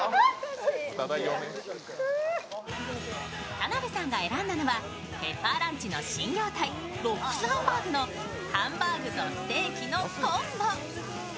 田辺さんが選んだのは、ペッパーランチの新業態、ロックスハンバーグのハンバーグとステーキのコンボ。